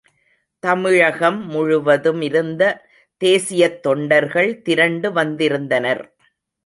தமிழகம் முழுவதுமிருந்த தேசீயத் தொண்டர்கள் திரண்டு வந்திருந்தனர்.